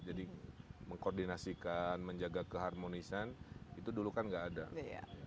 jadi mengkoordinasikan menjaga keharmonisan itu dulu kan tidak ada